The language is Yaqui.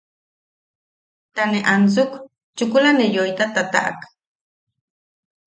Ta ne ansuk, chukula ne yoita ne tataʼak.